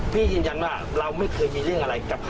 ยืนยันว่าเราไม่เคยมีเรื่องอะไรกับเขา